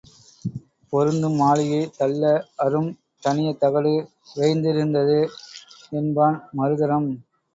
பொருந்தும் மாளிகை தள்ள அரும் தனியத் தகடு வேய்ந்திருந்தது என்பான் மறுதரம்.